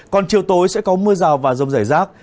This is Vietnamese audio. còn chiều tối sẽ có mưa rào và rông rải rác